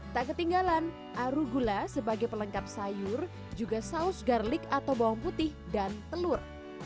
tak ketinggalan aru gula sebagai pelengkap sayur juga saus garlic atau bawang putih dan telur